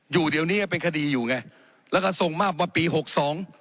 อยู่เดี๋ยวนี้ก็เป็นคดีอยู่ไงแล้วก็ส่งมอบมาปีหกสอง